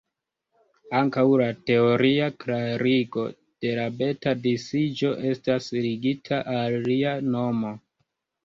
Ankaŭ la teoria klarigo de la beta-disiĝo estas ligita al lia nomo.